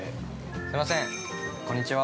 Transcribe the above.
すみません、こんにちは。